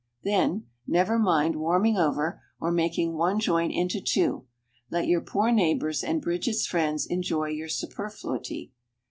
Then, never mind warming over, or making one joint into two; let your poor neighbors and Bridget's friends enjoy your superfluity.